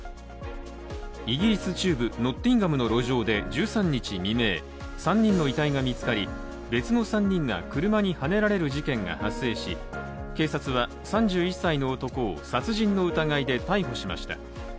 イギリス中部ノッティンガムの路上で１３日未明３人の遺体が見つかり、別の３人が車にはねられる事件が発生し警察は３１歳の男を殺人の疑いで逮捕しました。